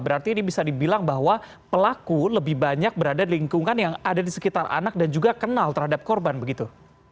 berarti ini bisa dibilang bahwa pelaku lebih banyak berada di lingkungan yang ada di sekitar anak dan juga kenal terhadap korban begitu